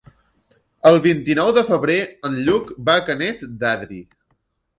El vint-i-nou de febrer en Lluc va a Canet d'Adri.